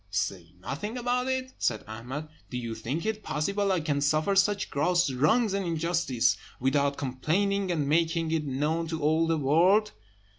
"Say nothing about it!" said Ahmed. "Do you think it possible I can suffer such gross wrong and injustice without complaining, and making it known to all the world?"